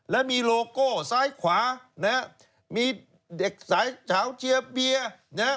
และมีโลโก้ซ้ายขวามีเด็กสายเฉาเจียบเบียร์